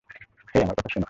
হেই, আমার কথা শোনো।